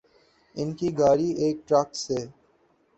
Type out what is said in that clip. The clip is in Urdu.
ان کی گاڑی ایک ٹرک سے